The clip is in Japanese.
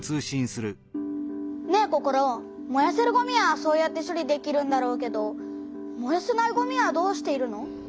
ねえココロ。もやせるごみはそうやって処理できるんだろうけどもやせないごみはどうしているの？